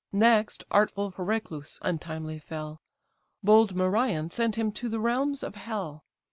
Next artful Phereclus untimely fell; Bold Merion sent him to the realms of hell.